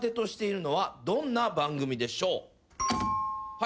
はい。